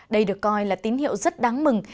đây được coi là tín hiệu rất đáng mừng